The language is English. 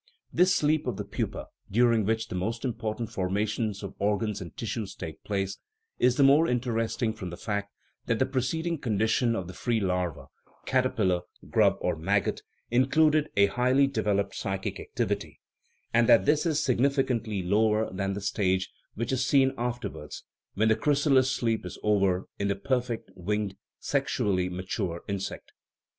This sleep of the pupa, during which the most important forma tions of organs and tissues take place, is the more in teresting from the fact that the preceding condition of the free larva (caterpillar, grub, or maggot) included a highly developed psychic activity, and that this is, significantly, lower than the stage which is seen after wards (when the chrysalis sleep is over) in the perfect, winged, sexually mature insect.